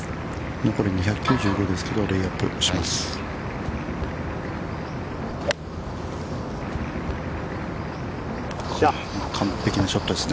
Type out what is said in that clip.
◆残り２９５ですけれども、レイアップします。